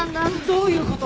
どういうこと？